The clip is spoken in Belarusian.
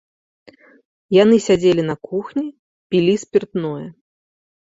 Яны сядзелі на кухні, пілі спіртное.